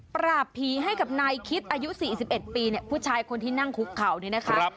ประหลาภีร์ให้กับนายคิดอายุ๔๑ปีผู้ชายคนที่นั่งคุกเขานี่นะคะ